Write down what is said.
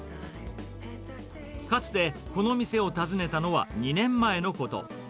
かつてこの店を訪ねたのは２年前のこと。